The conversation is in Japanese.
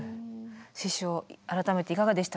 師匠改めていかがでしたか？